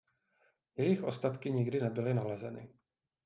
Jejich ostatky nikdy nebyly nalezeny.